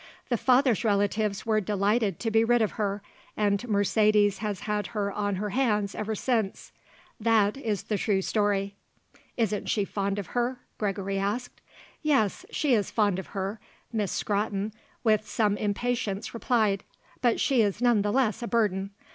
The father's relatives were delighted to be rid of her and Mercedes has had her on her hands ever since. That is the true story." "Isn't she fond of her?" Gregory asked. "Yes, she is fond of her," Miss Scrotton with some impatience replied; "but she is none the less a burden.